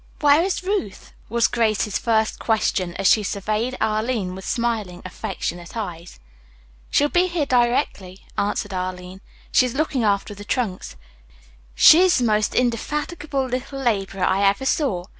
"Where is Ruth?" was Grace's first question as she surveyed Arline with smiling, affectionate eyes. "She'll be here directly," answered Arline. "She is looking after the trunks. She is the most indefatigable little laborer I ever saw.